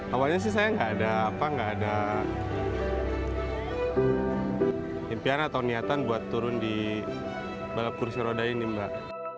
awalnya sih saya nggak ada impian atau niatan buat turun di balap kursi roda ini mbak